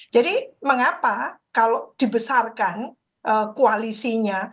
jadi mengapa kalau dibesarkan koalisinya